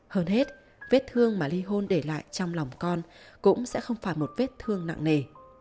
hơn hết vết thương mà ly hôn để lại trong lòng con cũng sẽ không phải một vết thương nặng nề